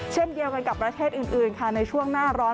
เช่นเดียวกันกับประเทศอื่นค่ะในช่วงหน้าร้อน